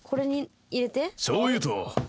しょうゆと。